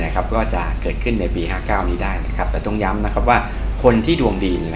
ก็จะเกิดขึ้นในปี๕๙นี้ได้แต่ต้องย้ำว่าคนที่ดวงดี